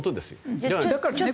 だからね